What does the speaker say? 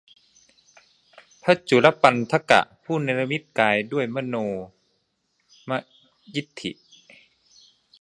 พระจูฬปันถกะ ผู้เนรมิตกายด้วยมโนมยิทธิ